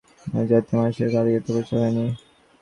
এ-জাতীয় মানুষের সঙ্গে এর আগে তাঁর পরিচয় হয় নি।